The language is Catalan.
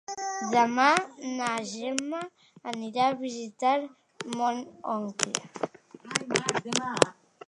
Demà na Gemma anirà a visitar mon oncle.